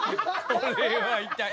これは痛い。